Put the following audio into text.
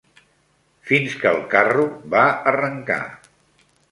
Fins que 'l carro va arrencar